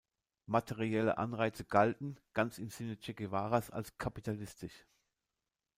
Materielle Anreize galten, ganz im Sinne Che Guevaras, als „kapitalistisch“.